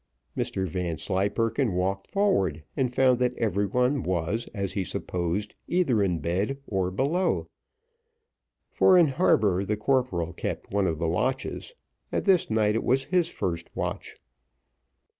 Mr Vanslyperken walked forward and found that every one was, as he supposed, either in bed or below; for in harbour the corporal kept one of the watches, and this night it was his first watch.